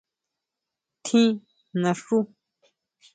¿Tjín naxú?